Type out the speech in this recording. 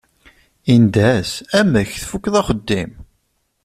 Yendeh-as: Amek tfukeḍ axeddim?